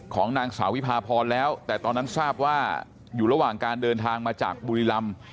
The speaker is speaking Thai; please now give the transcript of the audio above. ของนางสาววิพาพรแล้วแต่ตอนนั้นทราบว่าอยู่ระหว่างการเดินทางมาจากบุรีรำ